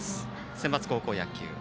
センバツ高校野球。